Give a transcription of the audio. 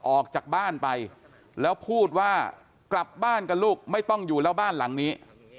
ออกจากบ้านไปแล้วพูดว่ากลับบ้านกันลูกไม่ต้องอยู่แล้วบ้านหลังนี้